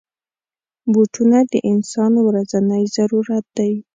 بوټونه د انسان ورځنی ضرورت دی.